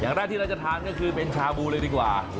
แรกที่เราจะทานก็คือเป็นชาบูเลยดีกว่า